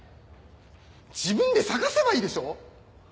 自分で捜せばいいでしょ！